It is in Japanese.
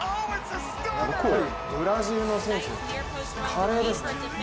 ブラジルの選手、華麗ですね。